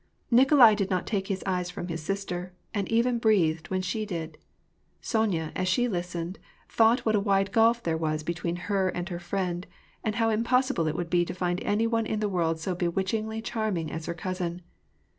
Nikolai did not take his eyes from his sister, and even breathed when she did. Sonya, as she listened, thought what a wide gulf there was between her and her friend, and how impossible it would be to find any one in the world so bewitch ingly charming as her cousin.